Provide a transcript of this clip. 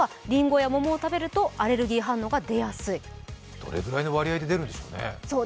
どれぐらいの割合で出るんでしょうね。